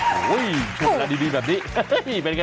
โอ้โห้ยเธอดีแบบนี้วิ้บเป็นไง